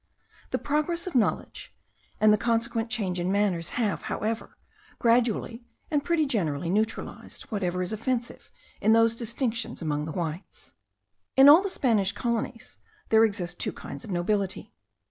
The progress of knowledge, and the consequent change in manners, have, however, gradually and pretty generally neutralized whatever is offensive in those distinctions among the whites. In all the Spanish colonies there exist two kinds of nobility.